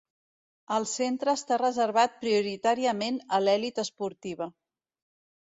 El Centre està reservat prioritàriament a l'elit esportiva.